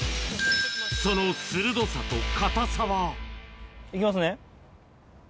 その鋭さと硬さは。いきますね。